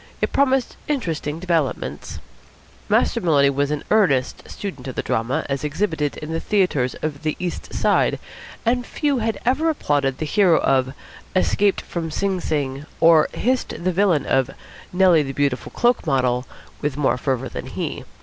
It promised interesting developments. Master Maloney was an earnest student of the drama, as exhibited in the theatres of the East Side, and few had ever applauded the hero of "Escaped from Sing Sing," or hissed the villain of "Nellie, the Beautiful Cloak Model" with more fervour than he.